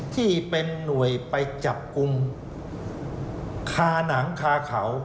ที่เป็นหน่วยไปจับกลุ่มคาหนังคาเขา